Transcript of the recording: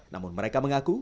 namun mereka mengaku